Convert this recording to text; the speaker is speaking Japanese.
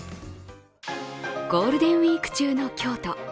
ゴールデンウイーク中の京都。